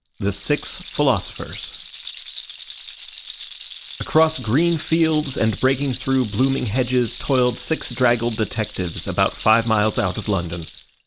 THE SIX PHILOSOPHERS Across green fields, and breaking through blooming hedges, toiled six draggled detectives, about five miles out of London.